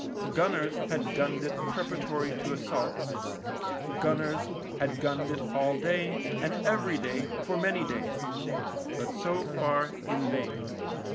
Gunners had gunned it pre paratory to assaults, gunners had gunned it all day and every day for many days, but so far in vain.